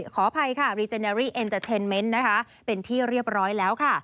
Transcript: ขออภัยค่ะรีเจเนอรี่เอ็นเตอร์เทนเมนต์นะคะเป็นที่เรียบร้อยแล้วค่ะ